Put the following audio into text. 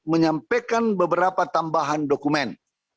menyampaikan beberapa tambahan dokumen